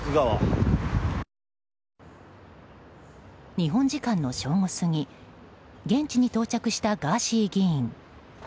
日本時間の正午過ぎ現地に到着したガーシー議員。